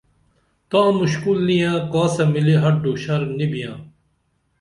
تاں مُشکُل نِیہ کاسہ ملی ہڈو شر نی بیاں